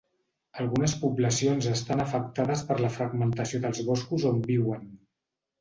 Algunes poblacions estan afectades per la fragmentació dels boscos on viuen.